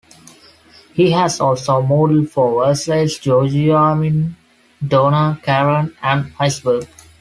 He has also modelled for Versace, Giorgio Armani, Donna Karan and Iceberg.